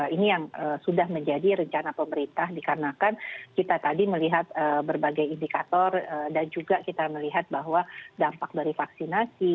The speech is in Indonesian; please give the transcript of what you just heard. ini yang sudah menjadi rencana pemerintah dikarenakan kita tadi melihat berbagai indikator dan juga kita melihat bahwa dampak dari vaksinasi